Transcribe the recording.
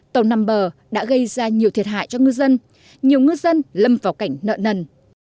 tàu nằm bờ đã gây ra nhiều thiệt hại cho ngư dân nhiều ngư dân lâm vào cảnh nợ nần